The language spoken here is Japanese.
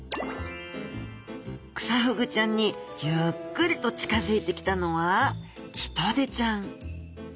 クサフグちゃんにゆっくりと近づいてきたのはヒトデちゃん！